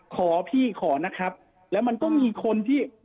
ขอพี่ขอนะครับแล้วมันก็มีคนที่